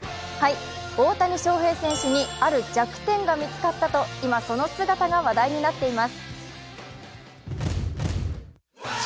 大谷翔平選手にある弱点が見つかったと、今、その姿が話題となっています。